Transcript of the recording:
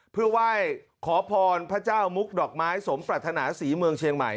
เพื่อไหว้ขอพรพระเจ้ามุกดอกไม้สมปรัฐนาศรีเมืองเชียงใหม่